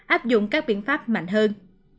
áp dụng các biện pháp mạnh hơn